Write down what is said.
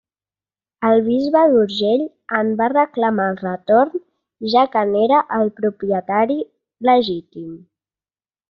El bisbe d'Urgell en va reclamar el retorn, ja que n'era el propietari legítim.